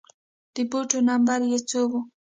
د بوټو نمبر يې څو و